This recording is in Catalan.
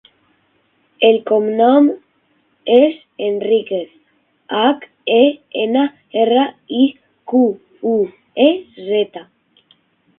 El cognom és Henriquez: hac, e, ena, erra, i, cu, u, e, zeta.